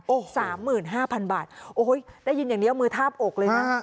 โอ้โหสามหมื่นห้าพันบาทโอ้ยได้ยินอย่างนี้เอามือทาบอกเลยนะ